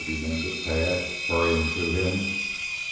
demanded Tad, hurrying to him.